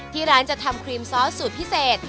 ที่ร้านจะทำครีมซอสสูตรพิเศษ